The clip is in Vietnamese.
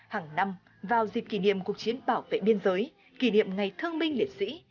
hàng năm vào dịp kỷ niệm cuộc chiến bảo vệ biên giới kỷ niệm ngày thương minh liệt sĩ